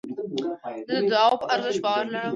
زه د دؤعا په ارزښت باور لرم.